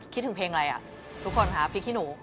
คิดถึงเพลงอะไรอ่ะทุกคนคะพริกขี้หนู